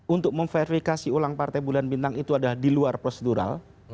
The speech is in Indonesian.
untuk memverifikasi ulang partai bulan bintang itu adalah di luar prosedural